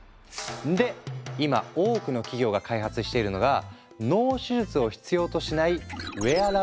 で今多くの企業が開発しているのが脳手術を必要としない